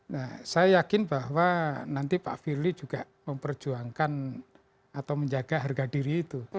nah saya yakin bahwa nanti pak firly juga memperjuangkan atau menjaga harga diri itu